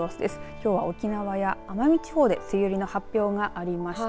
きょうは沖縄や奄美地方で梅雨入りの発表がありました。